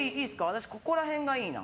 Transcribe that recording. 私、ここら辺がいいな。